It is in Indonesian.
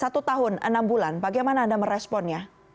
satu tahun enam bulan bagaimana anda meresponnya